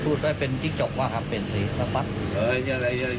พูดไว้เป็นจิ๊กจกว่าครับเป็นสินะครับ